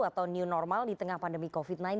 atau new normal di tengah pandemi covid sembilan belas